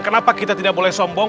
kenapa kita tidak boleh sombong